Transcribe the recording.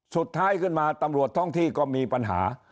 สุดท้ายขึ้นมาตำรวจท้องที่ก็มีปัญหา